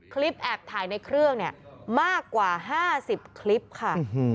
แอบถ่ายในเครื่องเนี่ยมากกว่า๕๐คลิปค่ะ